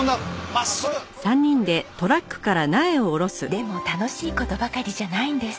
でも楽しい事ばかりじゃないんです。